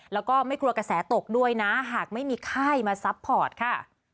แล้วก็ไม่กลัวกระแสตกด้วยนะหากไม่มีค่ายมาซัพพอร์ตค่ะ